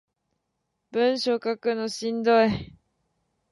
文章書くのしんどい